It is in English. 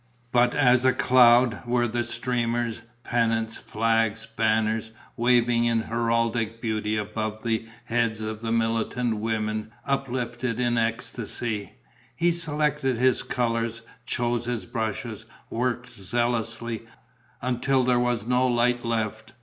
But as a cloud were the streamers, pennants, flags, banners, waving in heraldic beauty above the heads of the militant women uplifted in ecstasy.... He selected his colours, chose his brushes, worked zealously, until there was no light left.